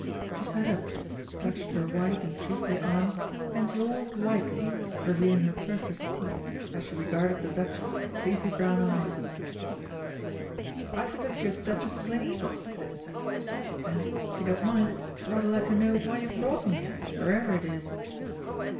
She sat up, stretched her white and shapely arms, and yawned widely, revealing her perfect teeth, as she regarded the Duchess with sleepy brown eyes. "I suppose you are the Duchess of Gleneagles?" she said. "And, if you don't mind, I should rather like to know why you've brought me here wherever it is."